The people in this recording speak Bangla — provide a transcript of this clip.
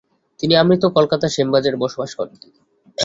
তিনি আমৃত্যু কলকাতার শ্যামবাজারের বসবাস করতেন।